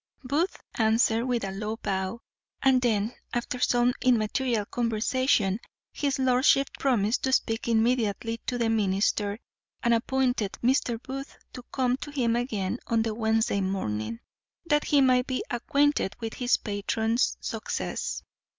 Booth answered with a low bow; and then, after some immaterial conversation, his lordship promised to speak immediately to the minister, and appointed Mr. Booth to come to him again on the Wednesday morning, that he might be acquainted with his patron's success.